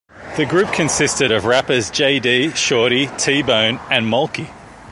The group consisted of rappers J-Dee, Shorty, T-Bone and Maulkie.